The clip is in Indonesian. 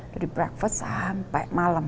dari breakfast sampai malam